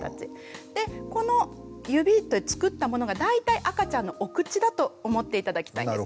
でこの指で作ったものが大体赤ちゃんのお口だと思って頂きたいんです。